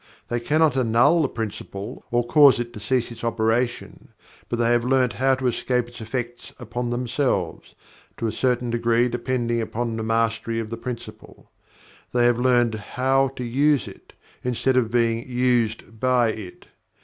They cannot annul the Principle, or cause it to cease its operation, but they have learned how to escape its effects upon themselves to a certain degree depending upon the Mastery of the Principle. They have learned how to USE it, instead of being USED BY it.